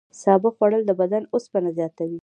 سابه خوړل د بدن اوسپنه زیاتوي.